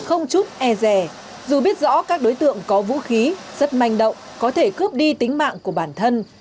ông có vũ khí rất manh động có thể cướp đi tính mạng của bản thân